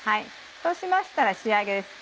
そうしましたら仕上げですね。